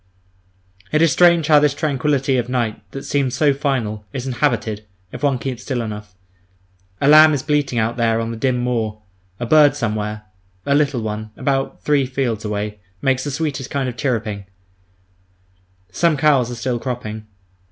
It is strange how this tranquillity of night, that seems so final, is inhabited, if one keeps still enough. A lamb is bleating out there on the dim moor; a bird somewhere, a little one, about three fields away, makes the sweetest kind of chirruping; some cows are still cropping.